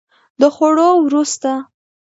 د خوړو وروسته